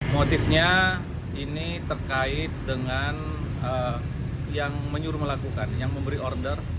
motifnya ini terkait dengan yang menyuruh melakukan yang memberi order